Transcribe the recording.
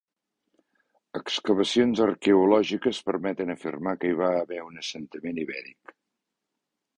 Excavacions arqueològiques permeten afirmar que hi va haver un assentament ibèric.